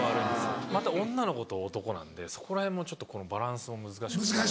また女の子と男なんでそこら辺もちょっとこのバランスも難しくて。